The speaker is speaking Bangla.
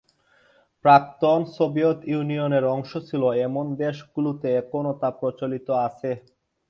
প্রাক্তন সোভিয়েত ইউনিয়নের অংশ ছিল এমন দেশগুলোতে এখনো তা প্রচলিত আছে।